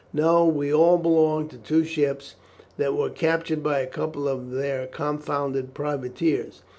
No; we all belong to two ships that were captured by a couple of their confounded privateers.